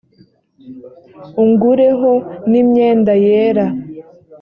ungureho n imyenda yera